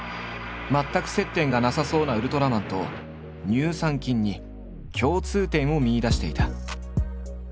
全く接点がなさそうなウルトラマンと乳酸菌に共通点を見いだしていた。